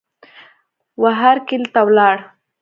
وهرکلې ته ولاړ